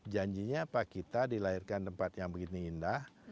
janjinya apa kita dilahirkan tempat yang begitu indah